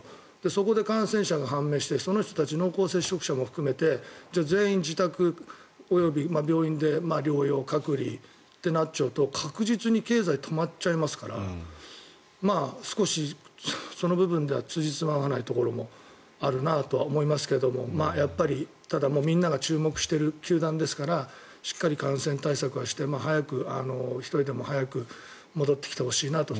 そこで感染者が判明してその人たち、濃厚接触者も含めてじゃあ、全員自宅及び病院で療養・隔離となっちゃうと確実に経済は止まっちゃいますから少しその部分ではつじつまが合わない部分もあるなと思いますけどもやっぱりただ、みんなが注目している球団ですからしっかり感染対策はして１人でも早く戻ってきてほしいなと。